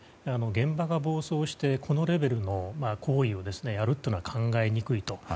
現場が暴走してこのレベルの行為をやるというのは考えにくいと。